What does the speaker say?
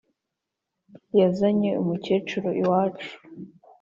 yazinyaze umukecuru w’iwacu,